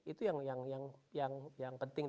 itu yang penting